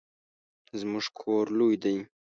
زموږ کور لوی دی